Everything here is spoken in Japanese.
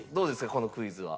このクイズは。